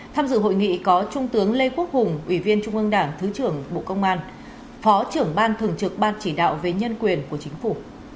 tham dự hội nghị có trung tướng lê quốc hùng ủy viên trung ương đảng thứ trưởng bộ công an phó trưởng ban thường trực ban chỉ đạo về nhân quyền của chính phủ